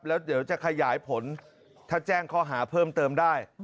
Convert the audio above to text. แล้วเดี๋ยวจะขยายผลถ้าแจ้งข้อหาเพิ่มเติมได้